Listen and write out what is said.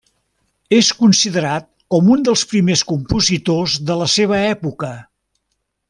És considerat com a un dels primers compositors de la seva època.